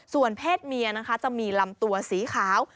ส่วนเพศเมียนะคะจะมีลำตัวสีขาว